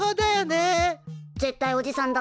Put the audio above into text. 絶対おじさんだ。